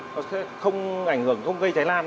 nó sẽ không ảnh hưởng không gây cháy lan